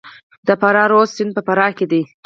د فرا رود سیند په فراه کې دی